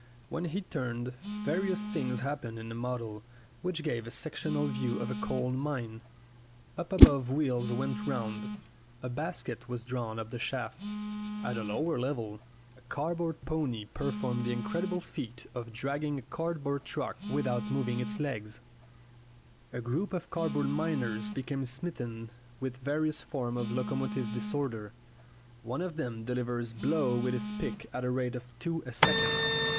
When he turned, various things hap pened in the model, which gave a sectional view of a coal mine. Up above wheels went round. A basket was drawn up the shaft. At a lower level a cardboard pony performed the incredible feat of dragging a card 26 STORIES WITHOUT TEARS board truck without moving its legs. A group of card board miners became smitten with various forms of locomotive disorder. One of them delivered blows with his pick at the rate of two a second.